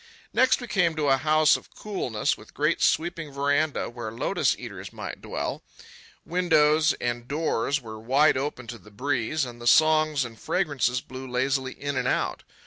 Next we came to a house of coolness, with great sweeping veranda, where lotus eaters might dwell. Windows and doors were wide open to the breeze, and the songs and fragrances blew lazily in and out.